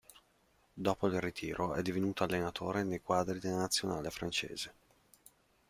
Dopo il ritiro è divenuto allenatore nei quadri della nazionale francese.